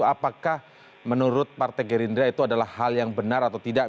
apakah menurut partai gerindra itu adalah hal yang benar atau tidak